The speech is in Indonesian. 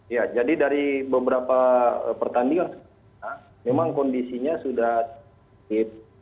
ya jadi dari beberapa pertandingan memang kondisinya sudah cukup